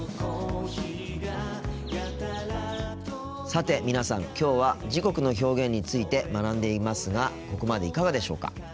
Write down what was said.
さて皆さんきょうは時刻の表現について学んでいますがここまでいかがでしょうか。